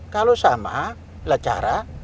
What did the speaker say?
kalau sama belajar